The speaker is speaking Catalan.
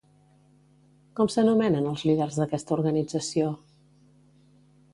Com s'anomenen els líders d'aquesta organització?